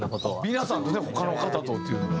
皆さんでね他の方とっていうのは。